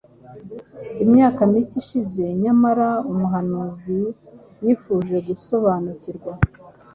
Imyaka mike ishize, nyamara, umuhanuzi yifuje gusobanukirwa